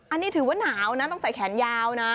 อันนี้ถือว่าหนาวนะต้องใส่แขนยาวนะ